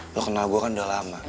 lo kenal gue kan udah lama